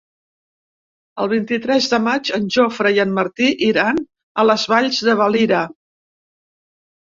El vint-i-tres de maig en Jofre i en Martí iran a les Valls de Valira.